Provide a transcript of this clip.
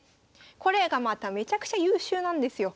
これがまためちゃくちゃ優秀なんですよ。